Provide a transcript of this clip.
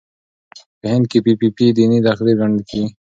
په هند کې پي پي پي دیني تقدیر ګڼل کېږي.